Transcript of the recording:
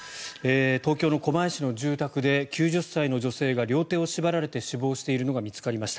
東京の狛江市の住宅で９０歳の女性が両手を縛られて死亡しているのが見つかりました。